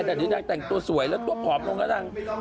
ต่างนางแต่งตัวสวยแล้วตัวผอมลงละนี่